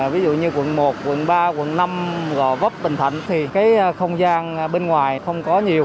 ví dụ như quận một quận ba quận năm gò vấp bình thạnh thì cái không gian bên ngoài không có nhiều